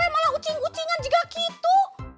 malah ucing ucingan juga gitu